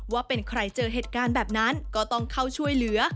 ว่าเป็นใครเจอเหตุการณ์แบบนั้นก็ต้องเข้าช่วยเหลือ